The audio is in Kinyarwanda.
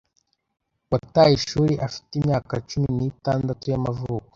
wataye ishuri afite imyaka cumi nitandatu y'amavuko